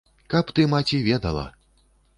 Каб ты, маці, ведала!